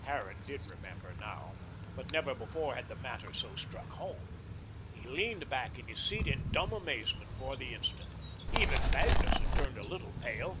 Harran did remember now, but never before had the matter so struck home. He leaned back in his seat in dumb amazement for the instant. Even Magnus had turned a little pale.